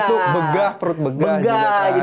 ngantuk begah perut begah juga kan